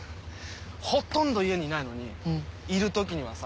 ほとんど家にいないのにいるときにはさ